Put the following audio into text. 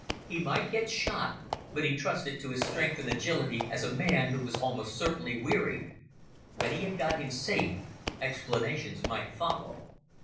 He might get shot, but he trusted to his strength and agility against a man who was almost certainly wearied. When he had got him safe, explanations might follow.